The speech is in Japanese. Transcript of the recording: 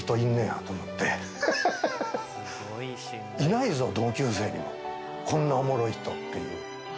「いないぞ同級生にもこんなおもろい人」っていう。